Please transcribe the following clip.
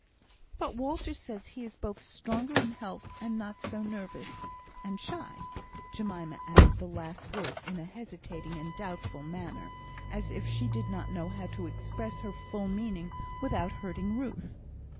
"But Walter says he is both stronger in health, and not so nervous and shy." Jemima added the last words in a hesitating and doubtful manner, as if she did not know how to express her full meaning without hurting Ruth.